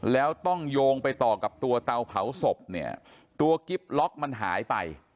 แล้วต้องโยงไปต่อกับตัวเตาเผาศพเนี่ยตัวกิ๊บล็อกมันหายไป